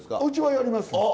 うちはやります。